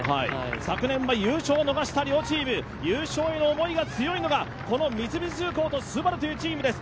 昨年は優勝を逃した両チーム、優勝への思いが強いのが、この三菱重工とＳＵＢＡＲＵというチームです。